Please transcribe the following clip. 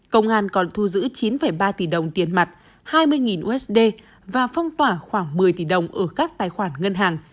công an còn thu giữ chín ba tỷ đồng tiền mặt hai mươi usd và phong tỏa khoảng một mươi tỷ đồng ở các tài khoản ngân hàng